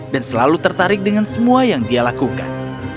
dan selalu tertarik dengan semua yang dia lakukan